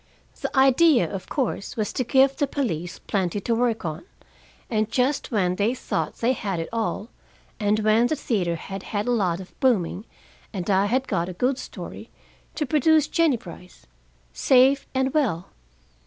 The idea, of course, was to give the police plenty to work on, and just when they thought they had it all, and when the theater had had a lot of booming, and I had got a good story, to produce Jennie Brice, safe and well.